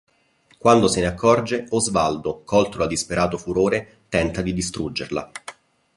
Quando se ne accorge, Osvaldo, colto da disperato furore, tenta di distruggerla.